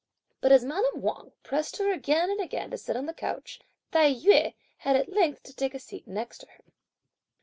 But as madame Wang pressed her again and again to sit on the couch, Tai yü had at length to take a seat next to her.